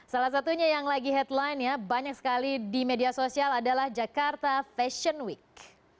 salah satunya yang lagi headline ya banyak sekali di media sosial adalah jakarta fashion week